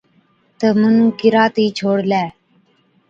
جو مُنُون ڪيراتِي ڇوڙلَي۔